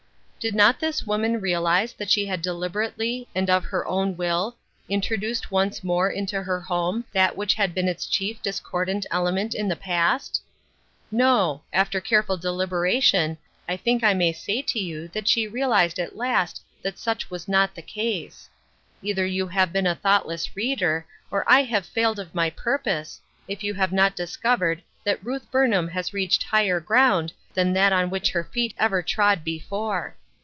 Did not this woman realize that she had deliber ately and of her own will, introduced once more into her home that which had been its chief dis cordant element in the past ? No ; after careful deliberation I think I may say to you that she realized at last that such was not the case. Either you have been a thoughtless reader, or I have failed of my purpose, if you have not discovered that Ruth Burnham has reached higher ground than that on which her feet ever trod before.